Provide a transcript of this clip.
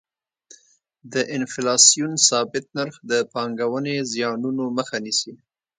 د انفلاسیون ثابت نرخ د پانګونې زیانونو مخه نیسي.